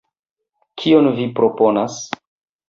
Kion vi proponas?